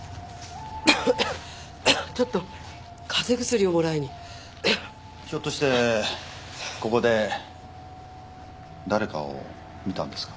ゴホンゴホンちょっとカゼ薬をもらいにひょっとしてここで誰かを見たんですか？